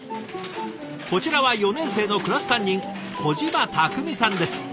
こちらは４年生のクラス担任小島拓海さんです。